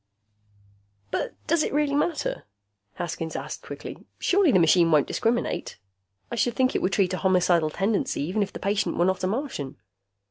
"But does it really matter?" Haskins asked quickly. "Surely the machine won't discriminate. I should think it would treat a homicidal tendency even if the patient were not a Martian."